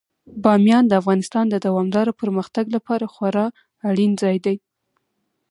بامیان د افغانستان د دوامداره پرمختګ لپاره خورا اړین ځای دی.